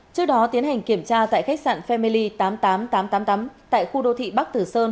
trước đó tiến hành kiểm tra tại khách sạn family tám mươi tám nghìn tám trăm tám mươi tám tại khu đô thị bắc tử sơn